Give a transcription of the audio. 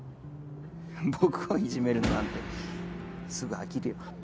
僕をいじめるのなんてすぐ飽きるよ